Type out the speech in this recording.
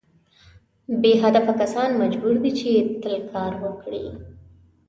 بې هدفه کسان مجبور دي چې تل کار وکړي.